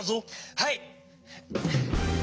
はい！